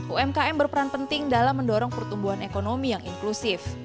umkm berperan penting dalam mendorong pertumbuhan ekonomi yang inklusif